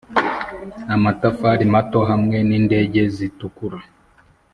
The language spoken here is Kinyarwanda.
amatafari mato hamwe nindege zitukura,